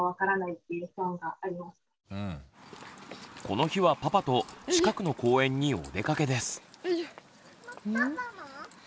この日はパパと近くの公園にお出かけです。